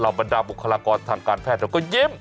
บรรดาบุคลากรทางการแพทย์เราก็ยิ้ม